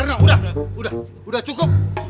tenang udah udah udah cukup